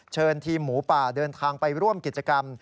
เชิญทีมหมูป่าเดินทางไปร่วมกิจกรรม